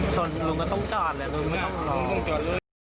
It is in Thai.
ส่วนลุงก็ต้องจอดเลยลุงไม่ต้องรอ